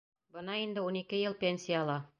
Бына инде ун ике йыл пенсияла!